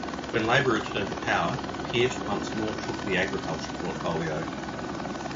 When Labour returned to power, Peart once more took the Agriculture portfolio.